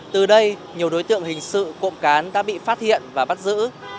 từ đây nhiều đối tượng hình sự cộng cán đã bị phát hiện và bắt giữ